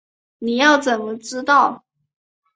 你要怎么知道